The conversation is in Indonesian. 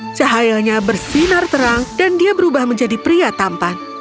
cahayanya bersinar terang dan dia berubah menjadi pria tampan